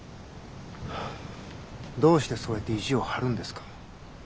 どうしてそうやって意地を張るんですか。